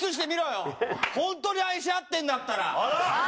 ホントに愛し合ってんだったら。